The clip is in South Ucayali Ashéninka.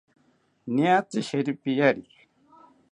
Niatzi shiripiyariki